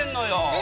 え？